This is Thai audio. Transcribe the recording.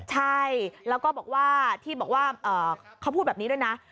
ใช่แล้วก็บอกว่าที่บอกว่าเขาพูดแบบนี้ด้วยนะ